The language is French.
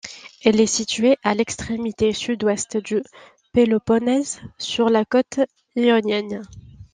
Elle est située à l'extrémité sud-ouest du Péloponnèse, sur la côte ionienne.